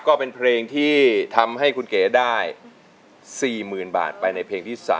ก็เป็นเพลงที่ทำให้คุณเก๋ได้๔๐๐๐บาทไปในเพลงที่๓